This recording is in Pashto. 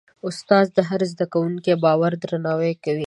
استاد د هر زده کوونکي باور درناوی کوي.